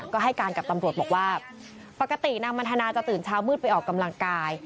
ก็ให้การกับตำรวจบอกว่าปกตินางมันทนาจะตื่นเช้ามืดไปออกกำลังกาย